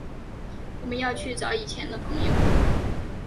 我们要去找以前的朋友